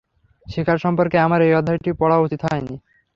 শিকার সম্পর্কে আমার এই অধ্যায়টি পড়া উচিত হয়নি।